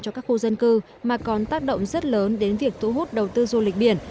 cho các khu dân cư mà còn tác động rất lớn đến việc tụ hút đầu tư du lịch biển